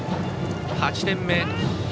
８点目。